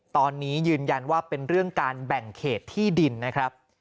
ตอนนี้ยืนยันว่าเป็นเรื่องการแบ่งเขตที่ดินนะครับ